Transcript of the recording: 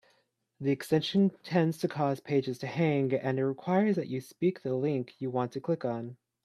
The extension tends to cause pages to hang, and it requires that you speak the link you want to click on.